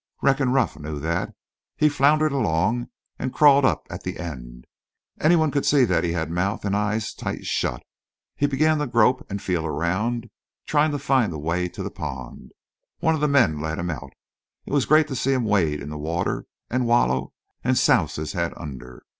Reckon Ruff knew that. He floundered along an' crawled up at the end. Anyone could see that he had mouth an' eyes tight shut. He began to grope an' feel around, trying to find the way to the pond. One of the men led him out. It was great to see him wade in the water an' wallow an' souse his head under.